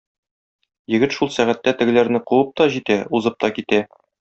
Егет шул сәгатьтә тегеләрне куып та җитә, узып та китә.